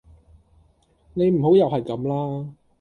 你唔好又係咁啦